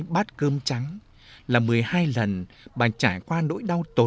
một mươi hai bát cơm trắng là một mươi hai lần bà trải qua nỗi đau trọng